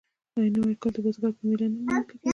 آیا نوی کال د بزګر په میله نه لمانځل کیږي؟